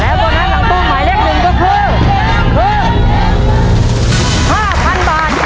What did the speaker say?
แล้วโบนัสหลังตู้หมายเลขหนึ่งก็คือ